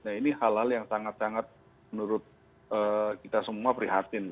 nah ini hal hal yang sangat sangat menurut kita semua prihatin